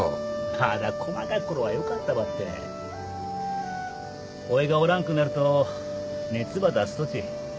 まだこまかころはよかったばっておぃがおらんくなると熱ば出すとち。